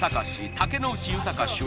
竹野内豊主演